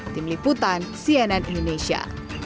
tim liputan cnn indonesia